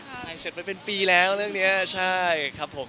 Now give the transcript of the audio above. ถ่ายเสร็จไปเป็นปีแล้วเรื่องนี้ใช่ครับผม